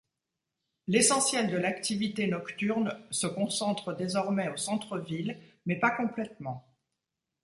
L'essentiel de l'activité nocturne se concentre désormais au centre-ville, mais pas complètement.